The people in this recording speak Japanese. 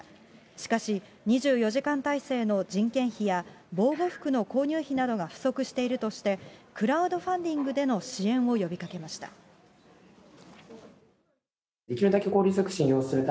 しかし、２４時間体制の人件費や、防護服の購入費などが不足しているなどとして、クラウドファンディングでの支援を呼びかけました。